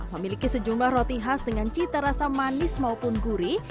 memiliki sejumlah roti khas dengan cita rasa manis maupun gurih